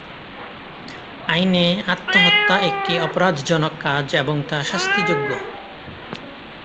আইনে আত্মহত্যা একটি অপরাধজনক কাজ এবং তা শাস্তিযোগ্য।